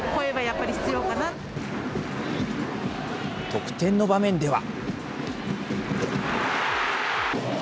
得点の場面では。